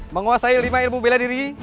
menguasai lima ilmu bela diri